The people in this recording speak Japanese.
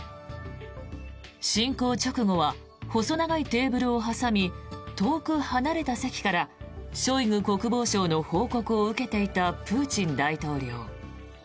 侵攻直後は細長いテーブルを挟み遠く離れた席からショイグ国防相の報告を受けていたプーチン大統領。